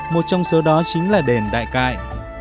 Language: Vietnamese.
một trong số đó chính là đền đại cại